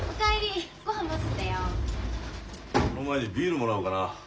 その前にビールもらおうかな。